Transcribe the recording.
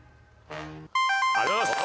ありがとうございます！